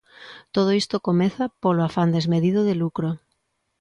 Todo isto comeza polo afán desmedido de lucro.